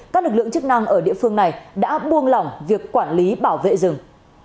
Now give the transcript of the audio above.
các lực lượng chức năng ở địa phương này đã buông lỏng việc quản lý bảo vệ rừng